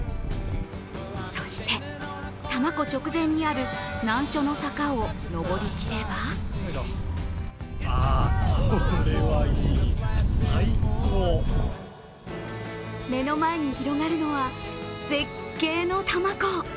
そして、多摩湖直前にある難所の坂を登り切れば目の前に広がるのは、絶景の多摩湖。